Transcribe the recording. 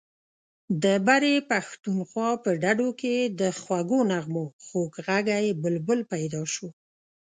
د برې پښتونخوا په ډډو کې د خوږو نغمو خوږ غږی بلبل پیدا شو.